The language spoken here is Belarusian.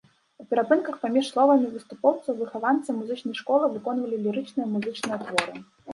У перапынках паміж словамі выступоўцаў выхаванцы музычнай школы выконвалі лірычныя музычныя творы.